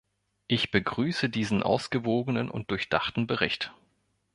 Ich begrüße diesen ausgewogenen und durchdachten Bericht.